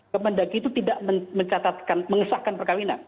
kemendaki itu tidak mencatatkan mengesahkan perkahwinan